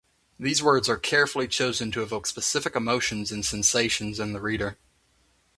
These words are carefully chosen to evoke specific emotions and sensations in the reader.